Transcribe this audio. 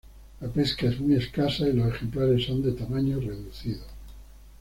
La pesca es muy escasa y los ejemplares son de tamaño reducido.